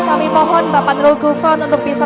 kami mohon bapak nurul gufron untuk bisa